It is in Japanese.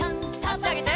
あしあげて。